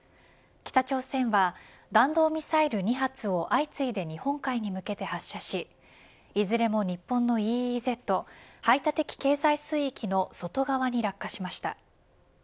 北朝鮮は弾道ミサイル２発を相次いで日本海に向けて発射しいずれも日本のＥＥＺ排他的経済水域の外側に落下しました。